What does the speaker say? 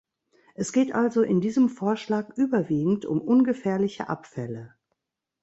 Es geht also in diesem Vorschlag überwiegend um ungefährliche Abfälle.